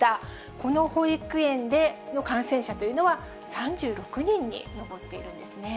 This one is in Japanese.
この保育園での感染者というのは、３６人に上っているんですね。